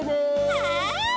はい！